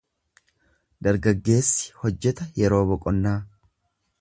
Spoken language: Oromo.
Dargaggeessi hojjeta yeroo boqonnaa.